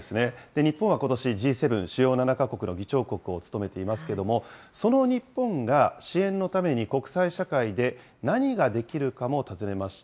日本はことし、Ｇ７・主要７か国の議長国を務めていますけれども、その日本が支援のために国際社会で何ができるかも尋ねました。